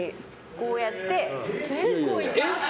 こうやって。